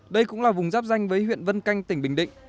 đây cũng là vùng giáp danh với huyện vân canh tỉnh bình định